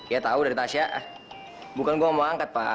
ya tahu dari tasya bukan gue mau angkat pak